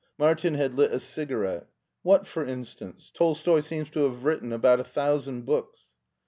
Martin had lit a cigarette. " What, for instance ? Tolstoi seems to have written about a thousand books.''